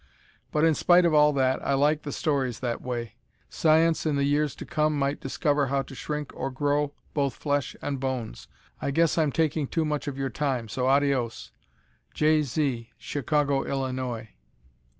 But in spite of all that, I like the stories that way. Science, in the years to come might discover how to shrink or grow both flesh and bones. I guess I'm taking too much of your time, so adios! Jay Zee, Chicago, Illinois.